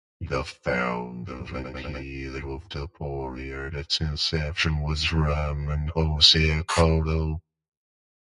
The founder and leader of the party at its inception was Ramon Osei Akoto.